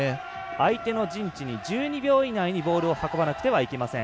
相手の陣地に１２秒以内にボールを運ばなければいけません。